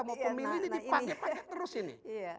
mau pemilih ini dipakai pakai terus ini